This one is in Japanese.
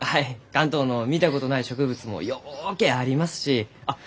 関東の見たことない植物もようけありますしあっ